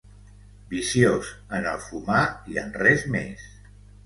Viciós en el fumar i en res més.